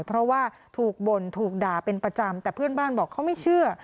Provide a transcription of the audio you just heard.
เพราะว่าถูกบ่นถูกด่าเป็นประจำแต่เพื่อนบ้านบอกเขาไม่เชื่อ